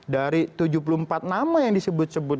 dari tujuh puluh empat nama yang disebut sebut